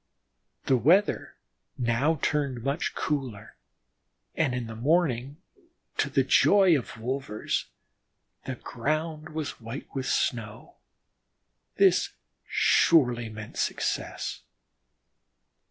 The weather now turned much cooler, and in the morning, to the joy of the wolvers, the ground was white with snow. This surely meant success.